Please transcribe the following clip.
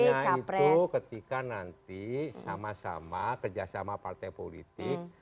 artinya itu ketika nanti sama sama kerjasama partai politik